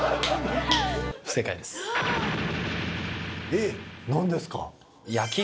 えっ何ですか？